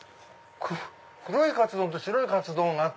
黒いカツ丼と白いカツ丼あって。